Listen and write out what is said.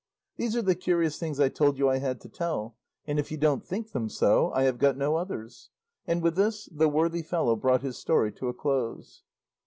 These are the curious things I told you I had to tell, and if you don't think them so, I have got no others;" and with this the worthy fellow brought his story to a close.